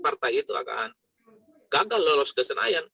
partai itu agak gagal lolos kesenaian